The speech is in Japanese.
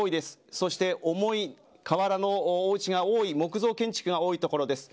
そして重い瓦のおうちが多い木造建築が多い所です。